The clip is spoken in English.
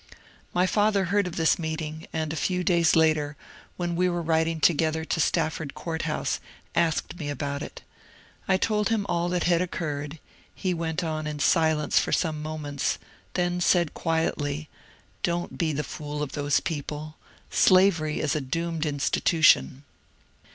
My father heard of this meeting, and a few days later, when we were riding together to Stafford Court House, asked me about it. I told him all that had occurred ; he went on in silence for some moments, then said quietly, ^^ Don't be the fool of those people ! Slavery is a doomed institution."